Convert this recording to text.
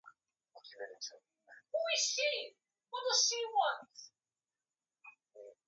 Because of poor soil conditions, early farmers eventually turned to raising dairy herds.